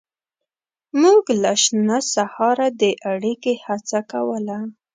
موږ له شنه سهاره د اړیکې هڅه کوله.